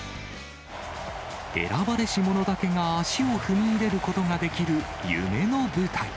選ばれし者だけが足を踏み入れることができる夢の舞台。